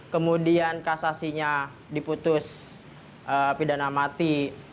kemudian kasasinya diputus pidana mati